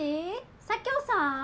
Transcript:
佐京さん？